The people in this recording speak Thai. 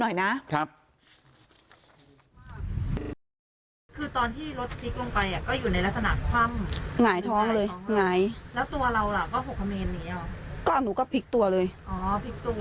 เราแหละก็ผักคำนี้เนี้ยอ่ะก็หนูก็พลิกตัวเลยอ๋ออย่างตัว